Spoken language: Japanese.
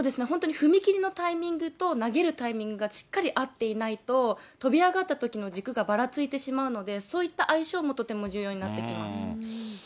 本当に踏み切りのタイミングと、投げるタイミングがしっかり合っていないと、跳び上がったときの軸がばらついてしまうので、そういった相性もとても重要になってきます。